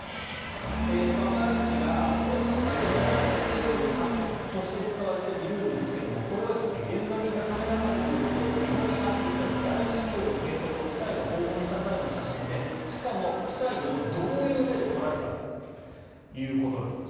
パパラッチが２人を盗撮しているようなカットとして使われているんですけれどこれは現場にいたカメラマンによると南アフリカの大司教の邸宅を夫妻が訪問した際の写真でしかも夫妻の同意のうえで撮られたんだということです。